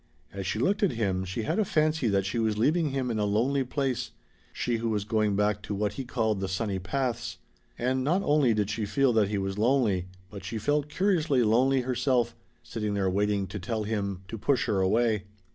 As she looked at him she had a fancy that she was leaving him in a lonely place she who was going back to what he called the sunny paths. And not only did she feel that he was lonely, but she felt curiously lonely herself, sitting there waiting to tell him to push her away.